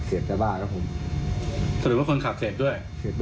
สมมุติว่าคนขับเสพด้วย